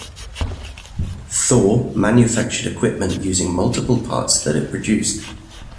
Thor manufactured equipment using multiple parts that it produced.